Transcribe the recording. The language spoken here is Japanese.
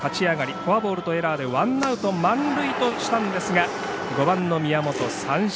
フォアボールとエラーでワンアウト、満塁としたんですが５番の宮本、三振。